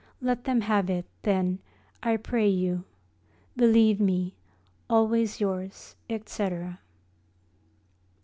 Let them have it, then, I pray you. Believe me, Always yours, etc. XLIV.